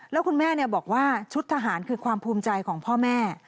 แล้วคุณแม่บอกว่าชุดทหารคือความภูมิใจของพ่อแม่